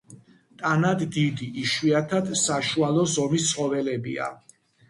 ტანად დიდი, იშვიათად საშუალო ზომის ცხოველებია.